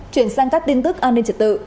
chuyển sang các tin tức an ninh trật tự